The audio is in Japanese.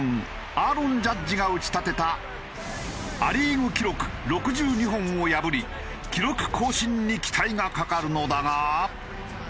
アーロン・ジャッジが打ち立てたア・リーグ記録６２本を破り記録更新に期待がかかるのだが。